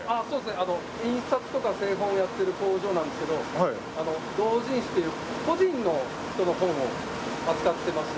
あの印刷とか製本をやってる工場なんですけど同人誌っていう個人の人の本を扱ってまして。